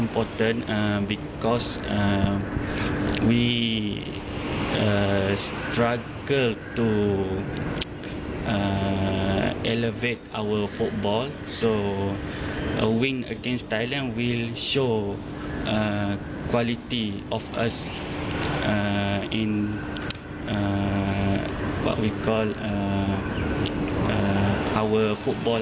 เพราะว่าถ้าระวินกับไทยจะมีความสำเร็จของชาติในฟุตบอล